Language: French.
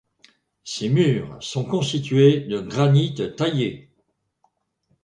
Ces murs sont constitués de granit taillé.